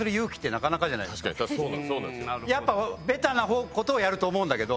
やっぱベタなことをやると思うんだけど。